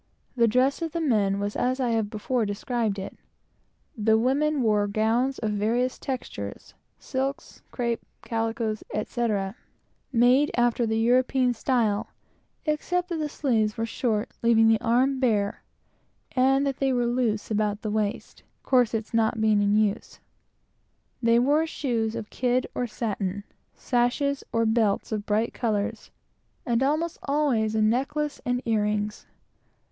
The dress of the men was as I have before described it. The women wore gowns of various texture silks, crape, calicoes, etc., made after the European style, except that the sleeves were short, leaving the arm bare, and that they were loose about the waist, having no corsets. They wore shoes of kid, or satin; sashes or belts of bright colors; and almost always a necklace and ear rings.